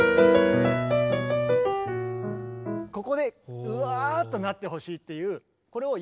ここでうわっとなってほしいっていう。